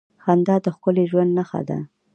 • خندا د ښکلي ژوند نښه ده.